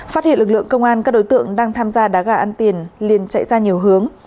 phát hiện lực lượng công an các đối tượng đang tham gia đá gà ăn tiền liền chạy ra nhiều hướng